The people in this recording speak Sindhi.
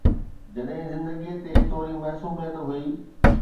جڏهن زندگي تي ٿوري معصوميت هئي.